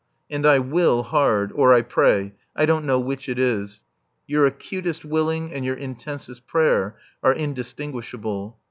And I will hard, or I pray I don't know which it is; your acutest willing and your intensest prayer are indistinguishable.